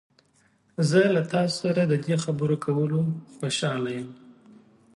زه له تاسو سره د دې خبرې کولو خوشحاله یم.